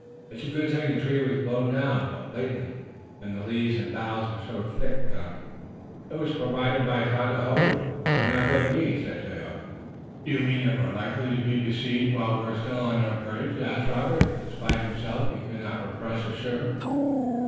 It's a good thing this tree was blown down but lately, and the leaves and boughs are so thick on it." "It was so provided by Tododaho in our great need," said Tayoga. "Do you mean that we're likely to be besieged while we're still on our bridge?" asked Robert, and despite himself he could not repress a shiver.